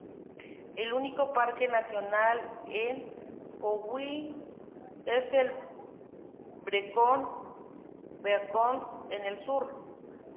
El único parque nacional en Powys es los Brecon Beacons en el sur.